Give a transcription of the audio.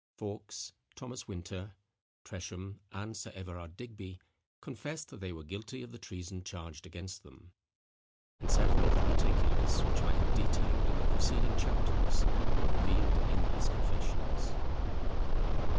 Fawkes, Thomas Winter, Tresham, and Sir Everard Digby, confessed that they were guilty of the treason charged against them; and several of the particulars, which I have detailed in the preceding chapters, were revealed in these confessions.